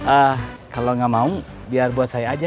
ah kalau nggak mau biar buat saya aja